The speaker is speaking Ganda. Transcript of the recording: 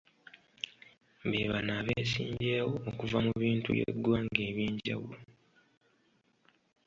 Be bano abeesimbyewo okuva mu bintu by'eggwanga eby'enjawulo.